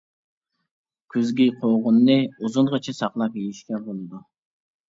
كۈزگى قوغۇننى ئۇزۇنغىچە ساقلاپ يېيىشكە بولىدۇ.